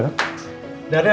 dari hasil ronson ternyata